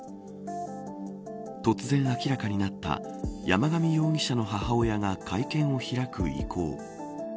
突然、明らかになった山上容疑者の母親が会見を開く意向。